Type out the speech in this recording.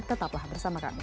tetaplah bersama kami